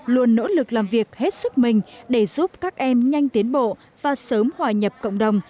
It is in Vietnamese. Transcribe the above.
luôn nỗ lực làm việc hết sức mình để giúp các em nhanh tiến bộ và sớm hòa nhập cộng đồng